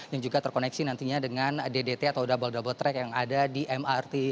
yang juga terkoneksi nantinya dengan ddt atau double double track yang ada di mrt